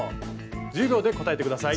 １０秒で答えて下さい。